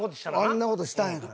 あんな事したんやから。